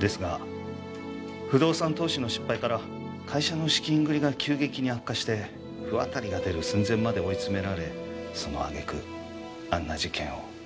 ですが不動産投資の失敗から会社の資金繰りが急激に悪化して不渡りが出る寸前まで追い詰められその揚げ句あんな事件を。